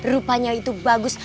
rupanya itu bagus